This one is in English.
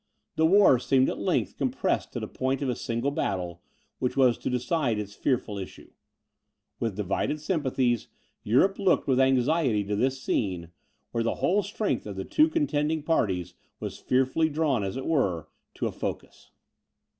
The war seemed at length compressed to the point of a single battle, which was to decide its fearful issue. With divided sympathies, Europe looked with anxiety to this scene, where the whole strength of the two contending parties was fearfully drawn, as it were, to a focus.